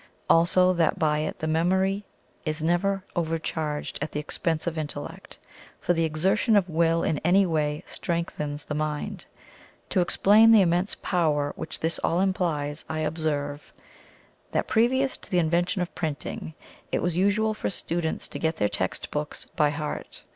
Also that by it the Memory is never overcharged at the expense of Intellect, for the exertion of will in any way strengthens the mind. To explain the immense power which this all implies, I observe: That previous to the invention of printing, it was usual for students to get their text books by heart.